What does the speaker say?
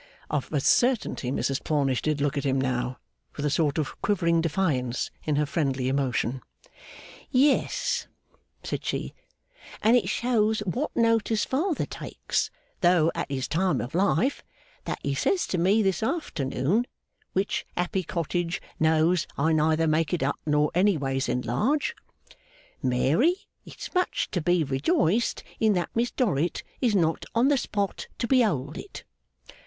Of a certainty Mrs Plornish did look at him now, with a sort of quivering defiance in her friendly emotion. 'Yes!' said she. 'And it shows what notice father takes, though at his time of life, that he says to me this afternoon, which Happy Cottage knows I neither make it up nor any ways enlarge, "Mary, it's much to be rejoiced in that Miss Dorrit is not on the spot to behold it."